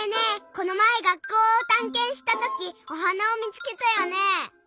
このまえ学校をたんけんしたときおはなをみつけたよねえ。